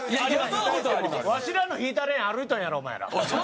ワシらの敷いたレーン歩いとんやろお前ら。